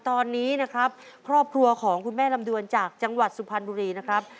ตอนนี้นะครับครอบครัวของคุณแม่ลำดวนจากจังหวัดสุพรรณบุรีนะครับ